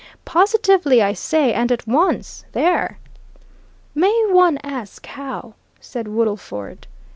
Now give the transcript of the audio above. Positively, I say, and at once! There!" "May one ask how?" said Woodlesford.